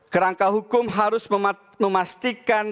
kerangka hukum harus memastikan